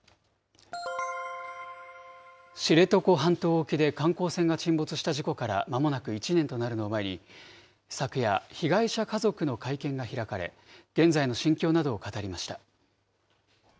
知床半島沖で観光船が沈没した事故からまもなく１年となるのを前に、昨夜、被害者家族の会見が開かれ、現在の心境などを語りました。